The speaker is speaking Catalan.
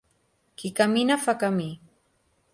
Qui camina fa camí.